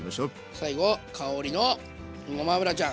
最後香りのごま油ちゃん。